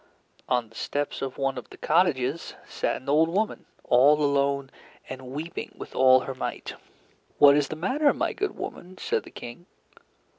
On the steps of one of the cottages sat an old woman, all alone and weeping with all her might. "What is the matter, my good woman?" said the King.